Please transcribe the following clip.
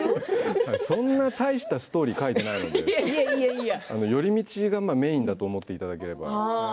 そんな大したストーリーを書いていないので寄り道がメインだと思っていただければ。